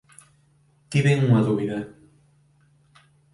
Tiven unha dúbida